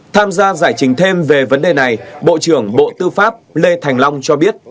tham gia giải trình thêm về vấn đề này bộ trưởng bộ tư pháp lê thành long cho biết